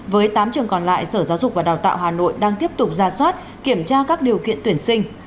với tám trường còn lại sở giáo dục và đào tạo hà nội đang tiếp tục ra soát kiểm tra các điều kiện tuyển sinh